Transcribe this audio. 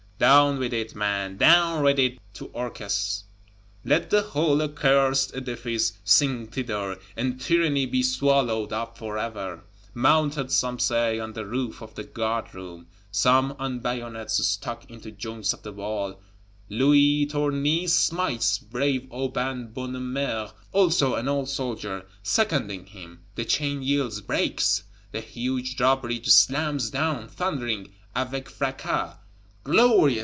Down with it, man; down with it to Orcus: let the whole accursed edifice sink thither, and tyranny be swallowed up forever! Mounted, some say, on the roof of the guard room, some "on bayonets stuck into joints of the wall," Louis Tournay smites, brave Aubin Bonnemère (also an old soldier) seconding him; the chain yields, breaks; the huge Drawbridge slams down, thundering (avec fracas). Glorious!